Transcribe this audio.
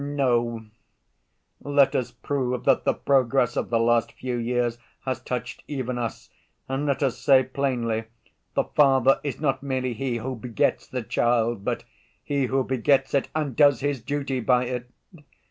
No, let us prove that the progress of the last few years has touched even us, and let us say plainly, the father is not merely he who begets the child, but he who begets it and does his duty by it.